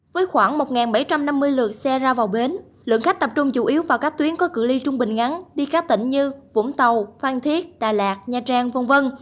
với khoảng một bảy trăm năm mươi lượt xe ra vào bến lượng khách tập trung chủ yếu vào các tuyến có cửa ly trung bình ngắn đi các tỉnh như vũng tàu phan thiết đà lạt nha trang v v